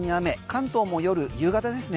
関東も夕方ですね